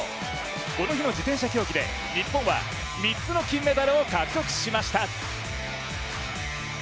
この日の自転車競技で、日本は３つの金メダルを獲得しました。